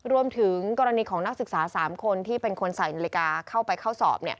รวมถึงกรณีของนักศึกษา๓คนที่เป็นคนใส่นาฬิกาเข้าไปเข้าสอบ